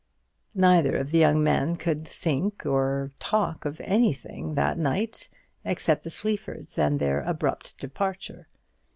Neither of the young men could think of anything or talk of anything that night except the Sleafords and their abrupt departure.